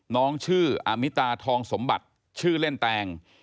น้องชื่ออามิตาทองสมบัติชื่อเล่นแตง